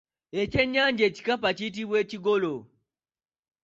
Ekyennyanja ekikapa kiyitibwa Ekigolo.